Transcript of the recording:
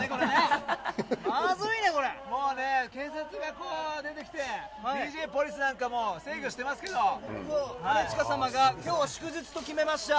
警察が出てきてＤＪポリスなんかも制御していますけれど兼近さまが今日を祝日と決めました。